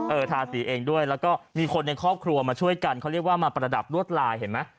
ทาสีเองด้วยแล้วก็มีคนในครอบครัวมาช่วยกันเขาเรียกว่ามาประดับลวดลายเห็นไหม